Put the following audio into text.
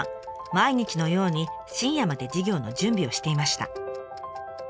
毎日のように深夜まで授業の準備をしていました。